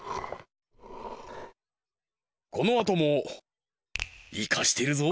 このあともイカしてるぞ！